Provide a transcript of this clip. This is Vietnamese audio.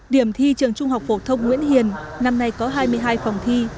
điểm thi trường trung học phổ thông nguyễn hiền năm nay có hai mươi hai phòng thi